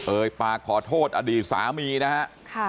เอ่ยปากขอโทษอดีตสามีนะฮะ